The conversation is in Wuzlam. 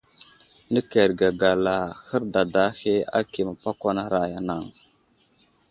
Nəkerge gala hərdada ahe aki məpakwanaray.